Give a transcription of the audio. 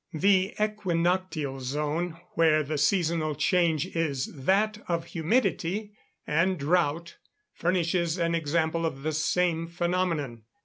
The equinoctial zone, where the seasonal change is that of humidity and drought furnishes an example of the same phenomenon.